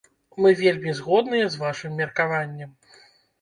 Мы вельмі згодныя з вашым меркаваннем.